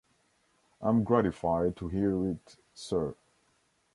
I am gratified to hear it, sir.